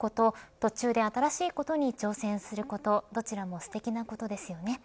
途中で新しいことに挑戦することどちらもすてきなことですよね。